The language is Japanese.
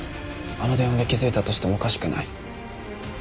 あの電話で気づいたとしてもおかしくない。